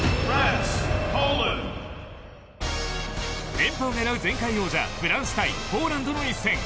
連覇を狙う前回王者フランス対ポーランドの一戦。